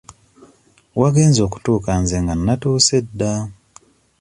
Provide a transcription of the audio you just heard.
Wagenze okutuuka nga nze nnatuuse dda.